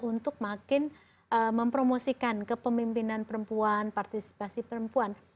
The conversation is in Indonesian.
untuk makin mempromosikan kepemimpinan perempuan partisipasi perempuan